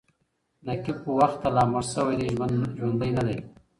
نقيب خو وخته لا مړ سوى دی ژوندى نـه دئ